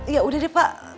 ya udah deh pak